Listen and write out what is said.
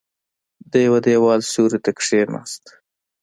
د يوه دېوال سيوري ته کېناست.